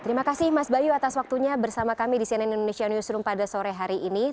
terima kasih mas bayu atas waktunya bersama kami di cnn indonesia newsroom pada sore hari ini